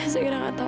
zaira gak tahu